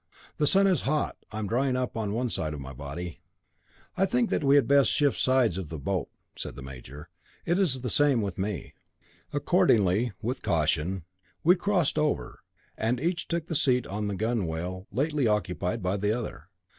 "The sun is hot; I am drying up on one side of my body." "I think that we had best shift sides of the boat," said the major. "It is the same with me." Accordingly, with caution, we crossed over, and each took the seat on the gunwale lately occupied by the other.